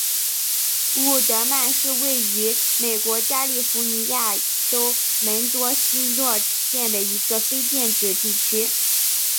伍德曼是位于美国加利福尼亚州门多西诺县的一个非建制地区。